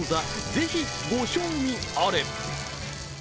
ぜひご賞味あれ！